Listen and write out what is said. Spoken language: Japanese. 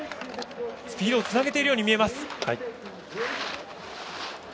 スピードをつなげているように見えます。